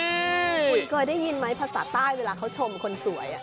คุณเคยได้ยินไหมภาษาใต้เวลาเขาชมคนสวย